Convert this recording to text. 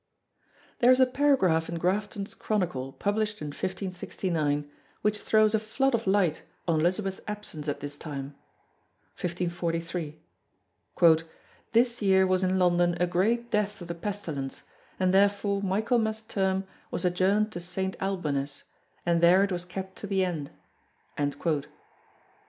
There is a paragraph in Grafton's Chronicle published in 1569 which throws a flood of light on Elizabeth's absence at this time, 1543: "This yeare was in London a great death of the pestilence, and therefore Mighelmas terme was adjourned to Saint Albones, and there it was kept to the ende."